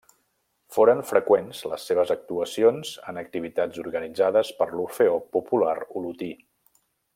Foren freqüents les seves actuacions en activitats organitzades per l'Orfeó Popular Olotí.